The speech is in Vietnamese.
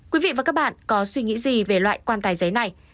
quý vị và các bạn có suy nghĩ gì về loại quan tài giấy này